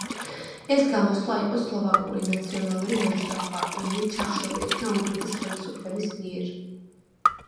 ეს გამოსვლა იყო სლოვაკური ნაციონალური მოძრაობა, რომელიც ჩახშობილ იქნა უნგრეთის ხელისუფლების მიერ.